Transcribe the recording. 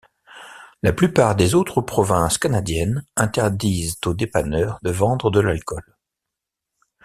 La plupart des autres provinces canadiennes interdisent aux dépanneurs de vendre de l'alcool.